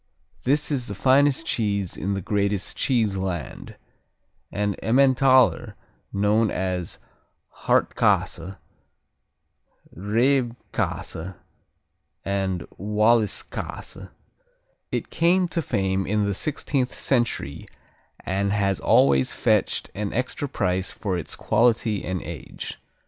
This is the finest cheese in the greatest cheese land; an Emmentaler also known as Hartkäse, Reibkäse and Walliskäse, it came to fame in the sixteenth century and has always fetched an extra price for its quality and age.